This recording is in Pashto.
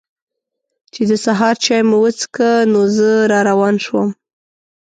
چې د سهار چای مو وڅښه نو زه را روان شوم.